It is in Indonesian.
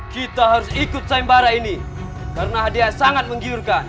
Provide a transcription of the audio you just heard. kita harus ikut sayembara ini karena dia sangat menggiurkan